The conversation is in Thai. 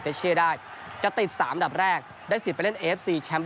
เท่าโอดีกว่าการทำยกตัวถึงดีกว่าแทนหลายคน